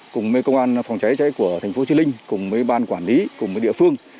cùng công an phòng cháy chữa cháy của thành phố trinh linh cùng ban quản lý cùng địa phương